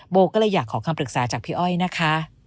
โบก็เลยอยากขอคำปรึกษาจากพี่อ้อยนะคะ